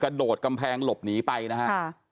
โดดกำแพงหลบหนีไปนะฮะ